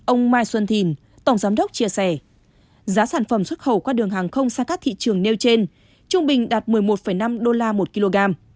ông mai xuân thìn tổng giám đốc chia sẻ giá sản phẩm xuất khẩu qua đường hàng không sang các thị trường nêu trên trung bình đạt một mươi một năm đô la một kg